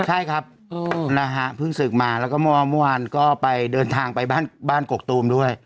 ใช่ครับนะฮะเพิ่งศึกมาแล้วก็เมื่อวานก็ไปเดินทางไปบ้านกกตูมด้วย